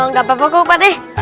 gak apa apa kok pak de